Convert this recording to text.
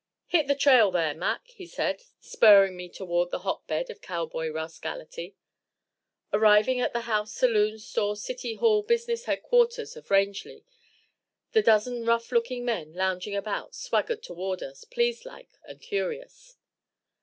"Hit the trail, there, Mac," he said, spurring me toward the hotbed of cowboy rascality. Arriving at the house saloon store city hall business headquarters of Rangely, the dozen rough looking men lounging about swaggered toward us, pleased like and curious.